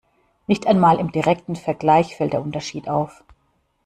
Nicht einmal im direkten Vergleich fällt der Unterschied auf.